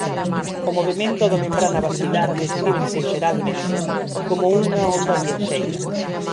O movemento da membrana basilar descríbese xeralmente como unha onda viaxeira.